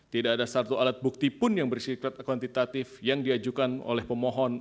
tidak ada satu alat bukti pun yang bersifat kuantitatif yang diajukan oleh pemohon